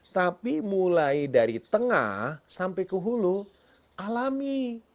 tapi mulai dari tengah sampai ke hulu alami